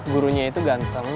gurunya itu ganteng